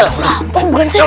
lampau bukan sih